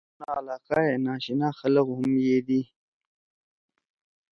مُھن علاقہ ئے ناشِنا خلگ ہُم یدی۔